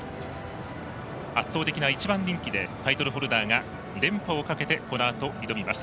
圧倒的な１番人気でタイトルホルダーが連覇をかけてこのあと挑みます。